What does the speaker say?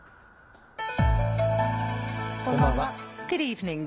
こんばんは。